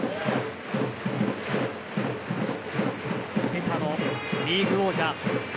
セ・パのリーグ王者。